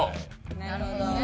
なるほどね。